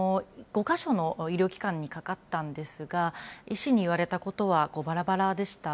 ５か所の医療機関にかかったんですが、医師に言われたことは、ばらばらでした。